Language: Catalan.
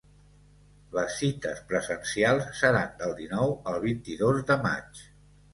Les cites presencials seran del dinou al vint-i-dos de maig.